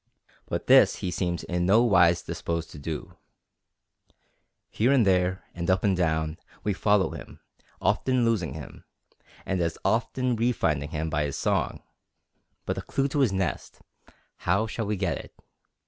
But this he seems in no wise disposed to do. Here and there, and up and down, we follow him, often losing him, and as often refinding him by his song; but the clew to his nest, how shall we get it?